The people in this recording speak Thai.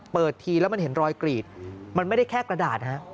ทีแล้วมันเห็นรอยกรีดมันไม่ได้แค่กระดาษฮะ